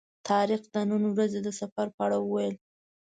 طارق د نن ورځې د سفر په اړه وویل.